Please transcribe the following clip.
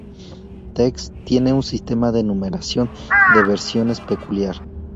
TeX tiene un sistema de numeración de versiones peculiar.